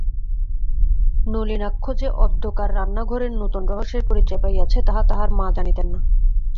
নলিনাক্ষ যে অদ্যকার রান্নাঘরের নূতন রহস্যের পরিচয় পাইয়াছে তাহা তাহার মা জানিতেন না।